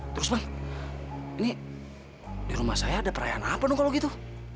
terus bang ini di rumah saya ada perayaan apa dong kalau gitu